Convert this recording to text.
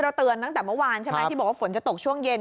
เตือนตั้งแต่เมื่อวานใช่ไหมที่บอกว่าฝนจะตกช่วงเย็น